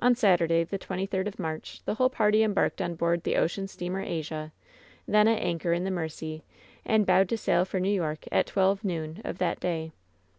On Saturday, the twenty third of March, the whole party embarked on board the ocean steamer Asia, then at anchor in the Mersey, and bound to sail for New York at twelve, noon, of that day.